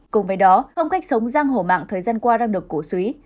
cùng với đó không cách sống giang hồ mạng thời gian qua đang được cổ suý